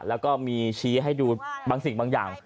แล้วก็มีชี้ให้ดูบางสิ่งบางอย่าง